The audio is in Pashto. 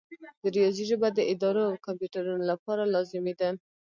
د ریاضي ژبه د ادارو او کمپیوټرونو لپاره لازمي ده.